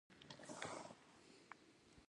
وګړي د افغانستان د اقلیمي نظام ښکارندوی ده.